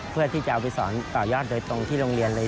เพื่อที่จะเอาไปสอนต่อยอดโดยตรงที่โรงเรียนเลย